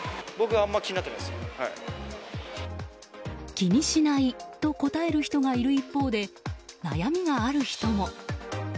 気にしないと答える人がいる一方で、悩みがある人も。